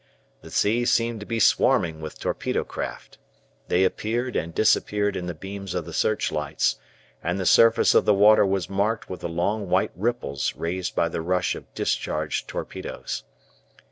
The sea seemed to be swarming with torpedo craft. They appeared and disappeared in the beams of the searchlights, and the surface of the water was marked with the long white ripples raised by the rush of discharged torpedoes.